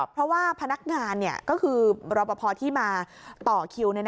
เพราะว่าพนักงานก็คือรอปภที่มาต่อคิว